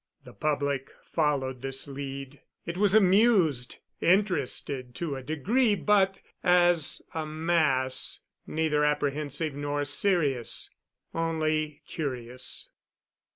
The public followed this lead. It was amused, interested to a degree; but, as a mass, neither apprehensive nor serious only curious.